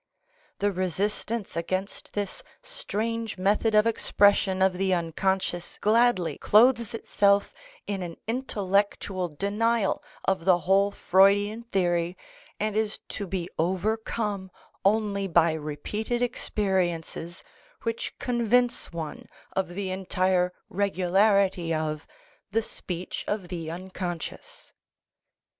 The resistance against this strange method of expression of the unconscious gladly clothes itself in an intellectual denial of the whole Freudian theory and is to be overcome only by repeated experiences which convince one of the entire regularity of the speech of the unconscious.